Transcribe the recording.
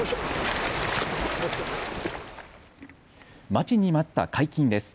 待ちに待った解禁です。